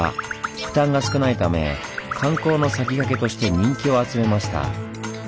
負担が少ないため観光の先駆けとして人気を集めました。